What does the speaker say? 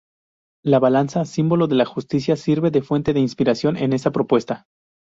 La balanza, símbolo de la justicia, sirve de fuente de inspiración en esta propuesta.